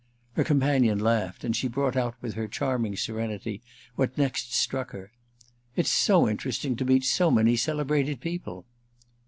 Her companion laughed, and she brought out with her charming serenity what next struck her. "It's so interesting to meet so many celebrated people."